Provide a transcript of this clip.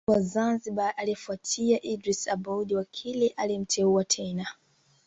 Rais wa Zanzibar aliyefuatia Idris Aboud Wakil alimteua tena